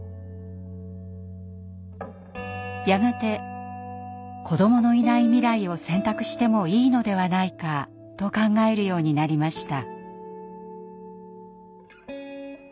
やがて子どものいない未来を選択してもいいのではないかと考えるようになりました。